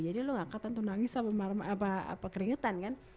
jadi lo gak keliatan tuh nangis sama keringetan kan